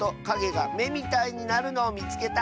がめみたいになるのをみつけた！」。